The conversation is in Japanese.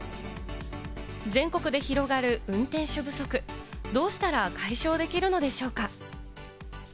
全国で広がる運転手不足、どうしたら解消できるのでしょうか？